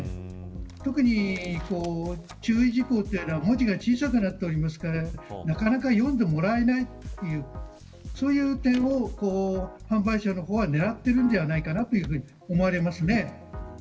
特に注意事項というのは文字が小さくなっていますからなかなか読んでもらえないというそういう点を販売者は狙っているじゃないかなと思われます。